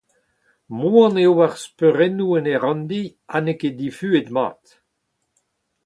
Moan eo ar speurennoù en e ranndi ha n’eo ket difuet mat.